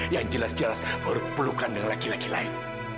yang jelas jelas berpelukan dengan laki laki lain